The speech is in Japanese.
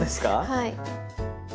はい。